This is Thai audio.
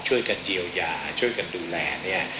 ช่วยกันเยียวยาช่วยกันดูแลเนี่ย